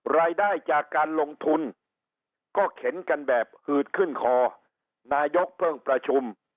รายได้จากการลงทุนก็เข็นกันแบบหืดขึ้นคอนายกเพิ่งประชุม